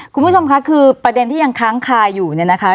คุณผู้ชมค่ะคือประเด็นที่ยังค้างคาอยู่เนี่ยนะคะ